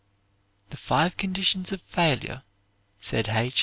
"The five conditions of failure," said H.